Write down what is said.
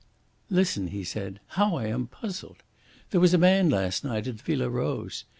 "Listen," he said, "how I am puzzled! There was a man last night at the Villa Rose.